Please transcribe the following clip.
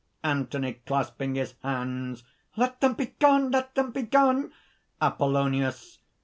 ANTHONY (clasping his hands). "Let them begone! let them begone!" APOLLONIUS.